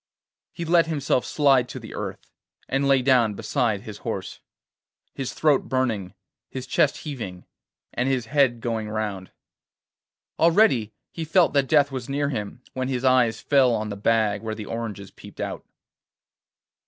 He let himself slide to the earth, and lay down beside his horse, his throat burning, his chest heaving, and his head going round. Already he felt that death was near him, when his eyes fell on the bag where the oranges peeped out.